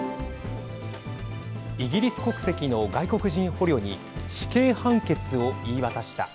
イギリス国籍の外国人捕虜に死刑判決を言い渡した。